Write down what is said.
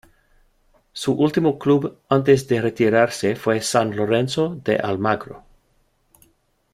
Su último club antes de retirarse fue San Lorenzo de Almagro.